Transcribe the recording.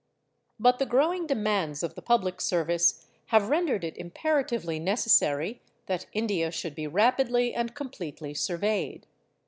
But the growing demands of the public service have rendered it imperatively necessary that India should be rapidly and completely surveyed.